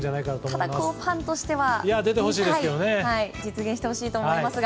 ただ、ファンとしては実現してほしいですが。